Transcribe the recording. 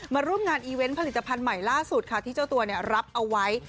ร่วมงานอีเวนต์ผลิตภัณฑ์ใหม่ล่าสุดค่ะที่เจ้าตัวรับเอาไว้